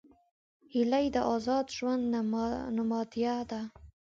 هیلۍ د آزاد ژوند نمادیه ده